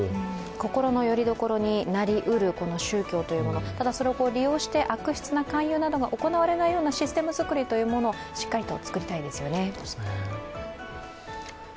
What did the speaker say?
心のよりどころになりうる宗教というもの、ただ、それを利用して悪質な勧誘などが行われないようなシステム作りというものをしっかりと作りたいですよね。